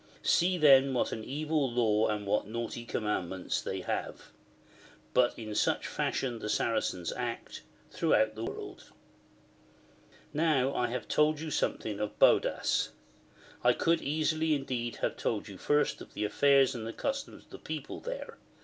See then what an evil law and what naughty commandments they have ! But in such fashion the Saracens act, throuohout the world. Now I have told you something of Baudas. I could easily indeed have told you first of the affairs and the customs of the people there.